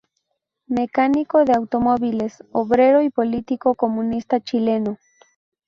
Mecánico de automóviles, obrero y político comunista chileno.